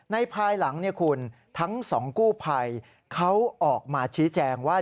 ภายหลังคุณทั้งสองกู้ภัยเขาออกมาชี้แจงว่า